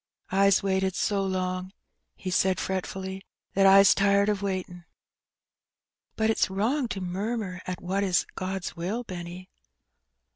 '^Fs waited so long/' he said fretfully, '^that Fs tired of waitin'." '^But it's wrong to murmur at what is God's will, Benny."